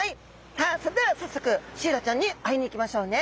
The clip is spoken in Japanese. さあそれでは早速シイラちゃんに会いに行きましょうね。